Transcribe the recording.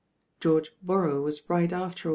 George Borrow was right after .